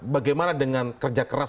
bagaimana dengan kerja keras